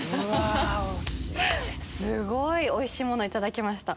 すごいおいしいものいただきました。